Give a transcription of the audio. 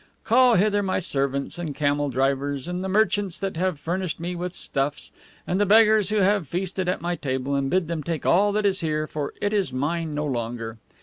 Call hither my servants and camel drivers, and the merchants that have furnished me with stuffs, and the beggars who have feasted at my table, and bid them take all that is here, for it is mine no longer!"